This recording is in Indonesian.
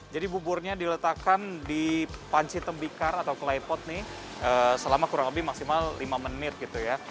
jadi buburnya diletakkan di panci tembikar atau kelaipot selama kurang lebih maksimal lima menit